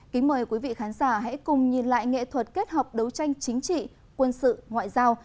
kính mời quý vị khán giả hãy cùng nhìn lại nghệ thuật kết hợp đấu tranh chính trị quân sự ngoại giao